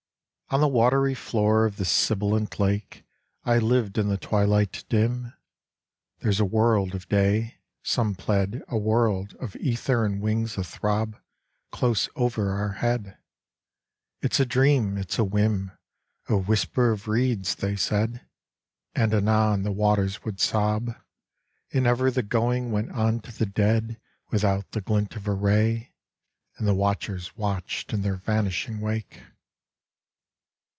"On the watery floor Of this sibilant lake, I lived in the twilight dim. 'There's a world of Day,' Some pled, 'a world Of ether and wings athrob Close over our head.' 'It's a dream, it's a whim, A whisper of reeds,' they said, And anon the waters would sob, And ever the going Went on to the dead Without the glint of a ray, And the watchers watched In their vanishing wake.